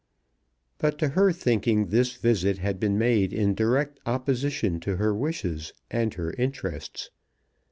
But to her thinking this visit had been made in direct opposition to her wishes and her interests.